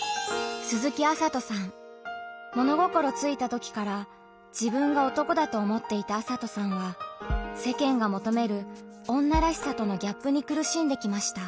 物心ついたときから自分が男だと思っていた麻斗さんは世間が求める「女らしさ」とのギャップに苦しんできました。